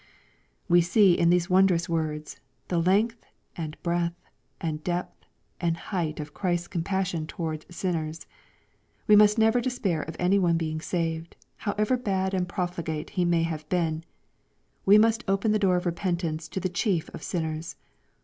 We see in these wondrous words, the length, and breadth, and depth, and height of Christ's compassion toward sinners. We must never despair of any one being saved, however bad and profligate he may have been. We must open the door of repentance to the chief of sinners.